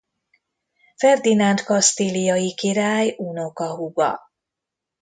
Ferdinánd kasztíliai király unokahúga.